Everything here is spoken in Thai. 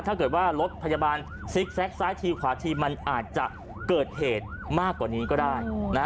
ถ้าเกิดว่ารถพยาบาลซิกแก๊กซ้ายทีขวาทีมันอาจจะเกิดเหตุมากกว่านี้ก็ได้